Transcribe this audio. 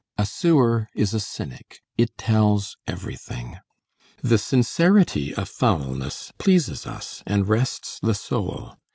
A sewer is a cynic. It tells everything. The sincerity of foulness pleases us, and rests the soul.